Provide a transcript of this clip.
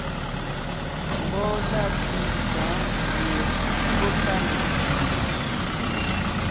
Mbɔɔ na pì sɔ̌ɔn gẅie pɔ́ táŋaa.